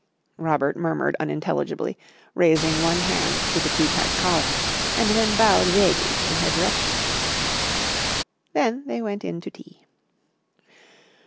Robert murmured unintelligibly, raising one hand to the too tight collar, and then bowed vaguely in her direction. Then they went in to tea.